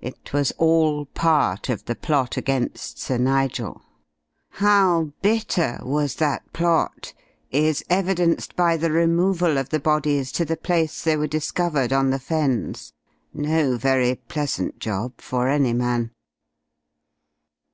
It was all part of the plot against Sir Nigel. How bitter was that plot is evidenced by the removal of the bodies to the place they were discovered on the Fens no very pleasant job for any man."